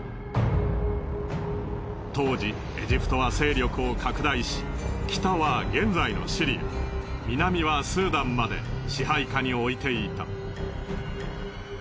当時エジプトは勢力を拡大し北は現在のシリア南はスーダンまで支配下に置いていた。